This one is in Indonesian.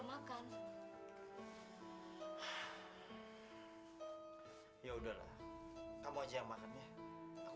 aku udah kenyang